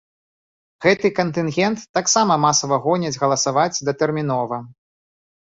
Гэты кантынгент таксама масава гоняць галасаваць датэрмінова.